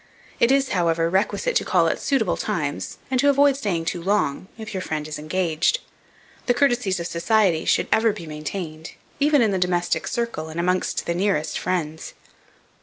It is, however, requisite to call at suitable times, and to avoid staying too long, if your friend is engaged. The courtesies of society should ever be maintained, even in the domestic circle, and amongst the nearest friends.